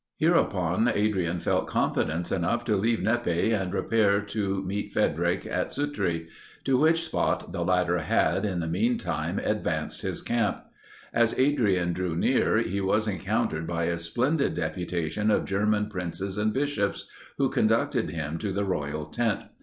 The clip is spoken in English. Hereupon, Adrian felt confidence enough to leave Nepi, and repair to meet Frederic at Sutri; to which spot the latter had, in the mean time, advanced his camp. As Adrian drew near, he was encountered by a splendid deputation of German princes and bishops, who conducted him to the royal tent.